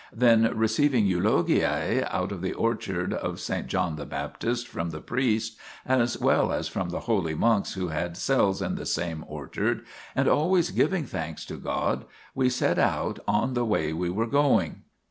Then, receiving eulogiae' 1 ' out of the orchard of S. John the Baptist from the priest, as well as from the holy monks who had cells in the same orchard, and always giving thanks to God, we set out on the way we were going.